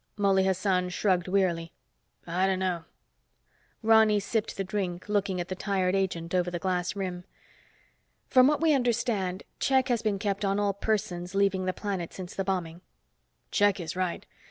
Mouley Hassan shrugged wearily. "I don't know." Ronny sipped the drink, looking at the tired agent over the glass rim. "From what we understand, check has been kept on all persons leaving the planet since the bombing." "Check is right.